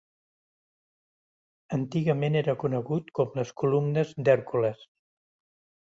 Antigament era conegut com les Columnes d'Hèrcules.